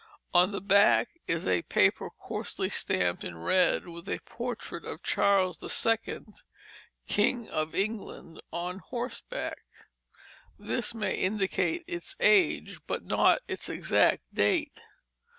On the back is a paper coarsely stamped in red with a portrait of Charles II., king of England, on horseback. This may indicate its age, but not its exact date.